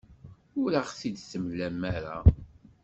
Ur aɣ-t-id-temlam ara.